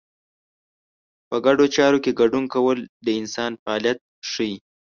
په ګډو چارو کې ګډون کول د انسان فعالیت ښيي.